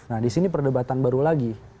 nah disini perdebatan baru lagi